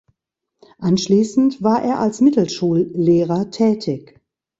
Anschließend war er als Mittelschullehrer tätig.